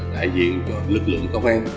đại diện cho lực lượng công an